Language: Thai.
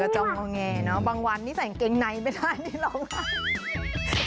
จำลงแงบางวันนี้ใส่เกงไนไม่ได้เราร้องไห้